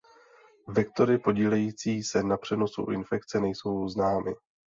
Vektory podílející se na přenosu infekce nejsou známy.